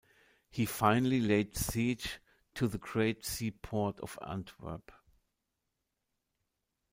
He finally laid siege to the great seaport of Antwerp.